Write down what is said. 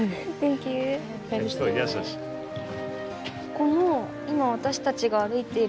この今私たちが歩いている道。